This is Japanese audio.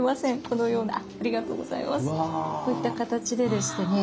こういった形ででしてね。